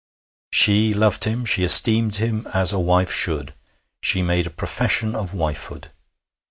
She loved him. She esteemed him as a wife should. She made a profession of wifehood.